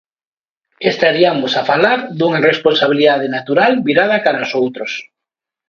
Estariamos a falar dunha responsabilidade natural virada cara os outros.